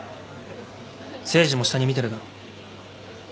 誠治も下に見てるだろ。